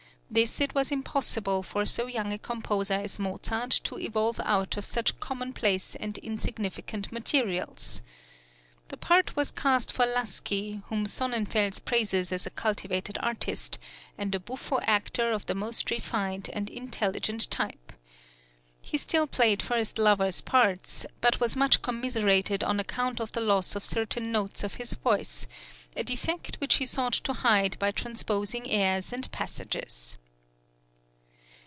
This it was impossible for so young a composer as Mozart to evolve out of such commonplace and insignificant materials. The part was cast for Laschi, whom Sonnenfels praises as a cultivated artist, and a buffo actor of the most refined and intelligent type. He still played first lover's parts, but was much commiserated on account of the loss of certain notes of his voice, a defect which he sought to hide by transposing airs and passages.